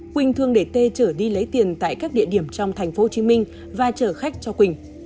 quỳnh thường để tê chở đi lấy tiền tại các địa điểm trong thành phố hồ chí minh và chở khách cho quỳnh